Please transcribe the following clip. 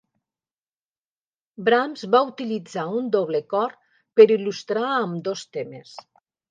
Brahms va utilitzar un doble cor per il·lustrar ambdós temes.